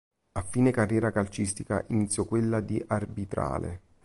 A fine carriera calcistica iniziò quella di arbitrale.